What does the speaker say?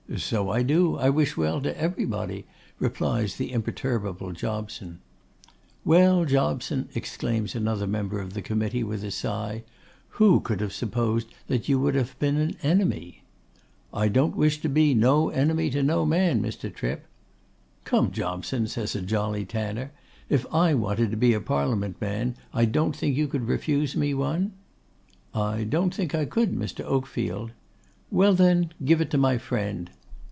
'So I do; I wish well to everybody,' replies the imperturbable Jobson. 'Well, Jobson,' exclaims another member of the committee, with a sigh, 'who could have supposed that you would have been an enemy?' 'I don't wish to be no enemy to no man, Mr. Trip.' 'Come, Jobson,' says a jolly tanner, 'if I wanted to be a Parliament man, I don't think you could refuse me one!' 'I don't think I could, Mr. Oakfield.' 'Well, then, give it to my friend.